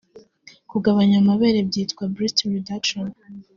Kugabanya amabere byitwa Breast Reduction